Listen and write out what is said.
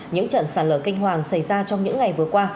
những trận sạt lở kinh hoàng xảy ra trong những ngày vừa qua